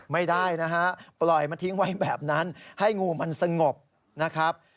ไม่ได้นะฮะปล่อยมาทิ้งไว้แบบนั้นให้งูมันสงบนะครับ